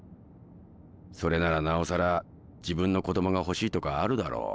それならなおさら自分の子供が欲しいとかあるだろう。